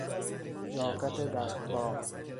ژاکت دستبافت